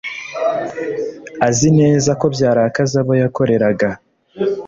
azi neza ko byarakaza abo yakoreraga